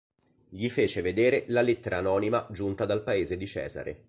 Gli fece vedere la lettera anonima giunta dal paese di Cesare.